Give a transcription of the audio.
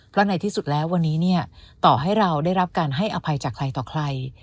เพราะในที่สุดแล้ววันนี้เนี่ยต่อให้เราได้รับการให้อภัยจากใครต่อใคร